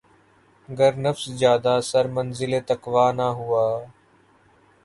گر نفس جادہٴ سر منزلِ تقویٰ نہ ہوا